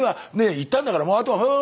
行ったんだからもうあとはふぅ